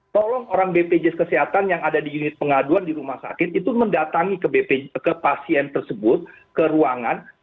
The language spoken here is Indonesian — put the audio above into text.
tolong orang bpjs kesehatan yang ada di unit pengaduan di rumah sakit itu mendatangi ke pasien tersebut ke ruangan